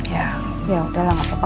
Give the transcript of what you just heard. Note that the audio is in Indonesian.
ya yaudah lah gak apa apa